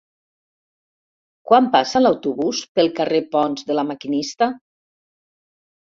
Quan passa l'autobús pel carrer Ponts de La Maquinista?